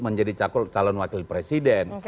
menjadi calon wakil presiden